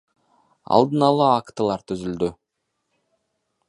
Алдын ала актылар түзүлдү.